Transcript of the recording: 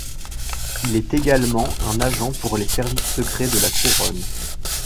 Il est également un agent pour les services secrets de la Couronne.